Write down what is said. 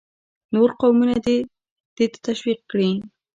نور قومونه دې ته تشویق کړي.